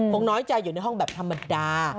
น้อยใจอยู่ในห้องแบบธรรมดา